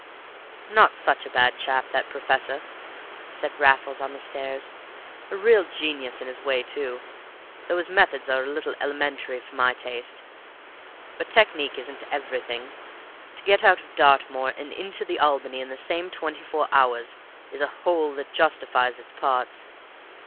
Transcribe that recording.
"Not such a bad chap, that professor," said Raffles on the stairs; "a real genius in his way, too, though his methods are a little elementary for my taste. But technique isn't everything; to get out of Dartmoor and into the Albany in the same twenty four hours is a whole that justifies its parts.